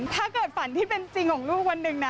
ถ้าเกิดฝันที่เป็นจริงของลูกวันหนึ่งนะ